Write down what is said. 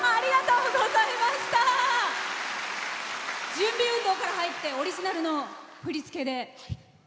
準備運動から入ってオリジナルの振り付けで。